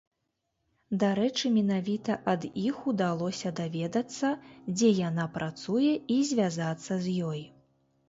Дарэчы, менавіта ад іх удалося даведацца, дзе яна працуе і звязацца з ёй.